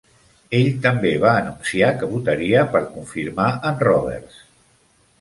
Ell també va anunciar que votaria per confirmar en Roberts.